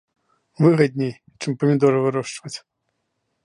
Выгадней, чым памідоры вырошчваць.